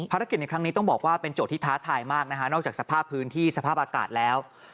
ในครั้งนี้ต้องบอกว่าเป็นโจทย์ที่ท้าทายมากนะฮะนอกจากสภาพพื้นที่สภาพอากาศแล้ว